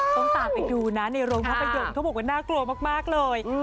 ต้องตามไปดูนะในโรงภาพยนตร์เขาบอกว่าน่ากลัวมากเลย